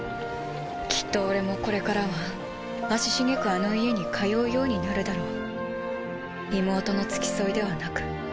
きっと俺もこれからは足しげくあの家に通うようになるだろう。